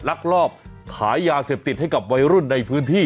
ลักลอบขายยาเสพติดให้กับวัยรุ่นในพื้นที่